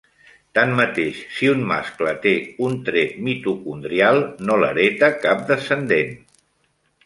Tanmateix, si un mascle té un tret mitocondrial, no l'hereta cap descendent.